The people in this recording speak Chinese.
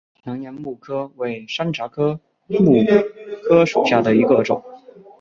南洋木荷为山茶科木荷属下的一个种。